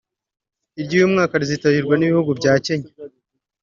Iry’uyu mwaka rizitabirwa n’ibihugu bya Kenya